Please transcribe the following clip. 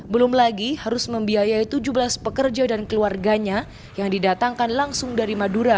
belum lagi harus membiayai tujuh belas pekerja dan keluarganya yang didatangkan langsung dari madura